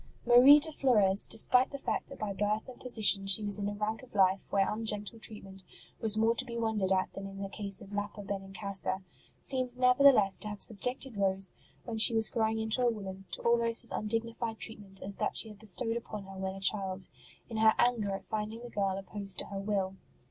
Marie de Flores, despite the fact that by birth and position she was in a rank of life where ungentle treatment was more to be wondered at than in the case of Lapa Benincasa, seems never theless to have subjected Rose, when she was growing into a woman, to almost as undignified treatment as that she had bestowed upon her when a child, in her anger at finding the girl opposed to her will.